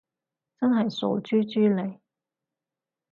真係傻豬豬嚟